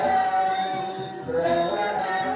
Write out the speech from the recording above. การทีลงเพลงสะดวกเพื่อความชุมภูมิของชาวไทย